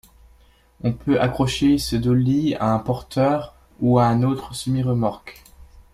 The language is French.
On peut accrocher ce dolly à un porteur, ou à une autre semi-remorque.